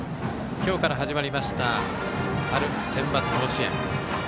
今日から始まりました春センバツ甲子園。